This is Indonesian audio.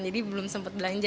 jadi belum sempat belanja